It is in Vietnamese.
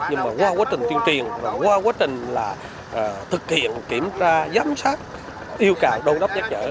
nhưng mà qua quá trình tuyên truyền qua quá trình thực hiện kiểm tra giám sát yêu cầu đông đốc giác trở